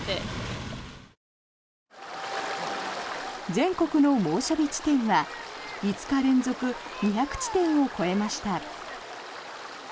全国の猛暑日地点は５日連続２００地点を超えました。